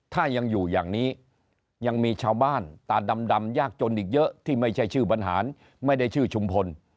ถ้ายังอยู่อย่างนี้ยังมีชาวบ้านตาดำยากจนอีกเยอะที่ไม่ใช่ชื่อบรรหารไม่ได้ชื่อชุมพล